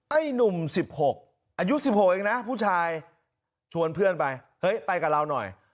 ไอ้หนุ่ม๑๖อายุ๑๖เองนะผู้ชายชวนเพื่อนไปเฮ้ยไปกับเราหน่อย